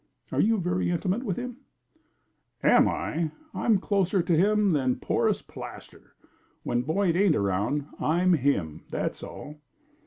"Are you very intimate with him?" "Am I? I'm closer to him than a porous plaster. When Boyd ain't around, I'm him, that's all."